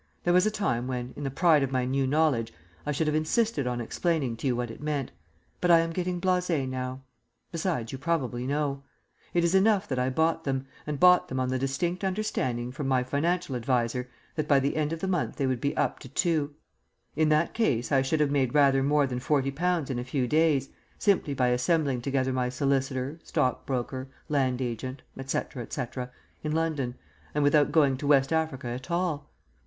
There was a time when, in the pride of my new knowledge, I should have insisted on explaining to you what it meant, but I am getting blasé now; besides, you probably know. It is enough that I bought them, and bought them on the distinct understanding from my financial adviser that by the end of the month they would be up to 2. In that case I should have made rather more than forty pounds in a few days, simply by assembling together my solicitor, stockbroker, land agent, etc., etc., in London, and without going to West Africa at all.